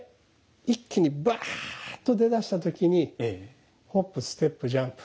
一気にバーっと出だした時にホップステップジャンプ。